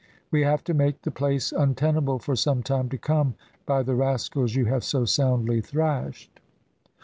"We have to make the place untenable for some time to come by the rascals you have so soundly thrashed."